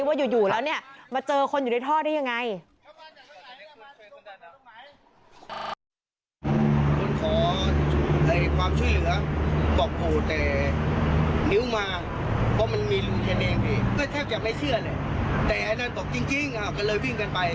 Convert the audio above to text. ว่าอยู่แล้วเนี่ยมาเจอคนอยู่ในท่อได้ยังไง